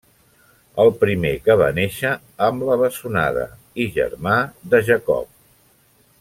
El primer que va néixer amb la bessonada i germà de Jacob.